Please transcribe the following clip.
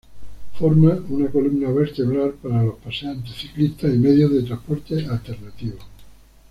Forma una columna vertebral para los paseantes, ciclistas y medios de transporte alternativos.